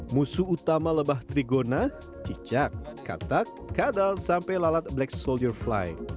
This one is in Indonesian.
musuh utama lebah trigona cicak katak kadal sampai lalat black soldier fly